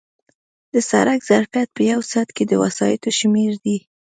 د سړک ظرفیت په یو ساعت کې د وسایطو شمېر دی